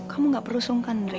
kamu nggak perlu sungkan nere